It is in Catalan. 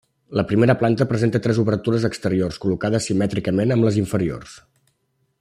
La primera planta presenta tres obertures exteriors, col·locades simètricament amb les inferiors.